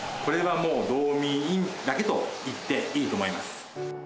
これはもうドーミーインだけと言っていいと思います